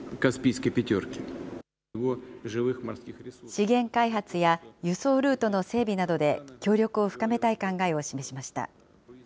資源開発や輸送ルートの整備などで、協力を深めたい考えを示しました。